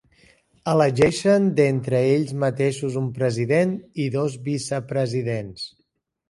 Elegeixen d'entre ells mateixos un president i dos vicepresidents.